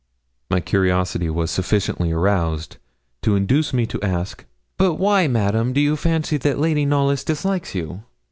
My curiosity was sufficiently aroused to induce me to ask 'But why, Madame, do you fancy that Lady Knollys dislikes you?'